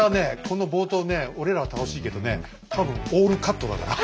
この冒頭ね俺らは楽しいけどね多分オールカットだから。